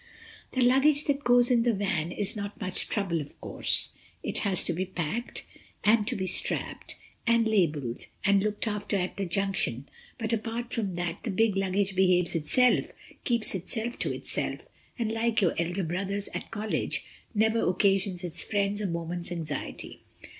The luggage that goes in the van is not much trouble—of course, it has to be packed and to be strapped, and labeled and looked after at the junction, but apart from that the big luggage behaves itself, keeps itself to itself, and like your elder brothers at college never occasions its friends a moment's anxiety.